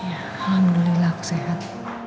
ya alhamdulillah aku sehat